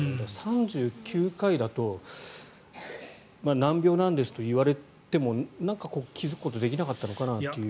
３９回だと難病なんですと言われてもなんか、気付くことできなかったのかなという。